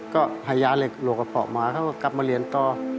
ก็หายาเล็กหลวกกระเพาะมาเขาก็กลับมาเรียนต่อ